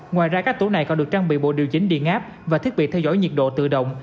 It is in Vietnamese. ngoài ra các tổ này còn được trang bị bộ điều chỉnh điện áp và thiết bị theo dõi nhiệt độ tự động